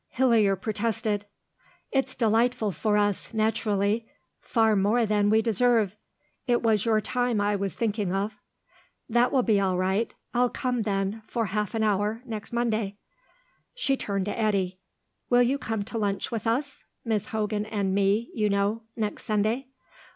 Hillier protested. "It's delightful for us, naturally far more than we deserve. It was your time I was thinking of." "That will be all right. I'll come, then, for half an hour, next Monday." She turned to Eddy. "Will you come to lunch with us Miss Hogan and me, you know next Sunday?